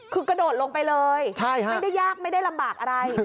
คือกระโดดลงไปเลยไม่ได้ยากไม่ได้ลำบากอะไร